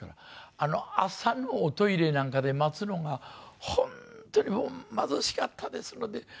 あの朝のおトイレなんかで待つのが本当に貧しかったですので。